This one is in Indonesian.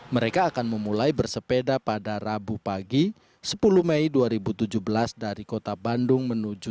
mereka akan memulai bersepeda pada rabu pagi sepuluh mei dua ribu tujuh belas dari kota bandung